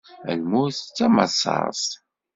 Lmut d tamassaṛt.